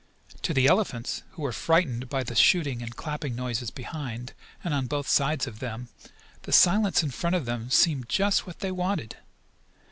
To the elephants, who were frightened by the shooting and clapping noises behind, and on both sides of them, the silence in front of them seemed just what they wanted.